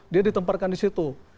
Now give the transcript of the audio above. dia ditemparkan di situ